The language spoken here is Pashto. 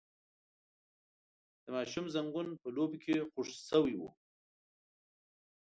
د ماشوم زنګون په لوبو کې خوږ شوی و.